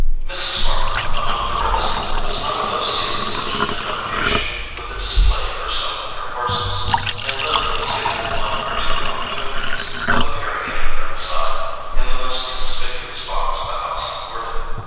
Mrs. Gormer, among the rest, was not above seizing such an occasion for the display of herself and her horses; and Lily was given one or two opportunities of appearing at her friend's side in the most conspicuous box the house afforded.